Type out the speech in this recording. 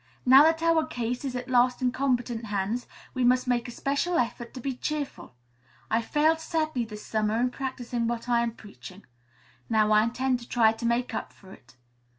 Now that our case is at last in competent hands, we must make a special effort to be cheerful. I've failed sadly this summer in practicing what I am preaching. Now I intend to try to make up for it.